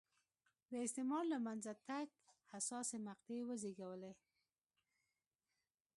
د استعمار له منځه تګ حساسې مقطعې وزېږولې.